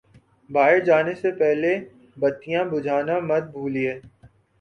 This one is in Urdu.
باہر جانے سے پہلے بتیاں بجھانا مت بھولئے